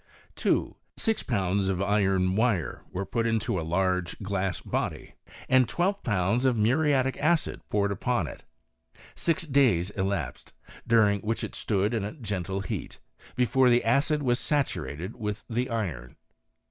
2. Six pounds .of iron wire were put into a large glass body, and twdve pounds of muriatic acid poured upon it. Six days elapsed (during which it stood in a gentle heat) before the acid was saturated with the iron.